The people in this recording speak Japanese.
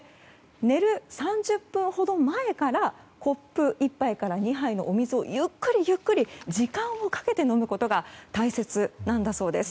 寝る３０分ほど前からコップ１杯から２杯のお水をゆっくり時間をかけて飲むことが大切だそうです。